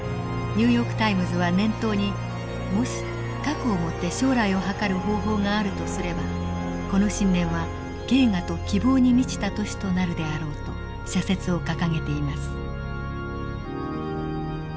「ニューヨーク・タイムズ」は年頭に「もし過去をもって将来をはかる方法があるとすればこの新年は慶賀と希望に満ちた年となるであろう」と社説を掲げています。